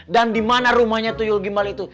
dan dimana rumahnya tuyul gimbal itu